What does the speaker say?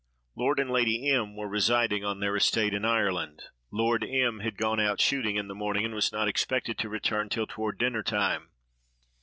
Lord and Lady M—— were residing on their estate in Ireland: Lord M—— had gone out shooting in the morning, and was not expected to return till toward dinner time.